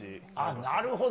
なるほど。